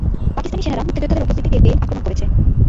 পাকিস্তানি সেনারা মুক্তিযোদ্ধাদের উপস্থিতি টের পেয়ে আক্রমণ করেছে।